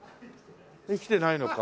生きてないのか。